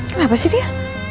kenapa sih dia